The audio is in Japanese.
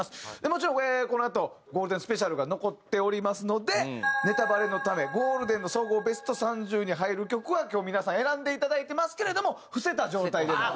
もちろんこのあとゴールデンスペシャルが残っておりますのでネタバレのためゴールデンの総合ベスト３０に入る曲は今日皆さん選んでいただいてますけれども伏せた状態での。